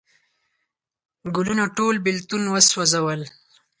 ګلونه ټول بیلتون وسوزل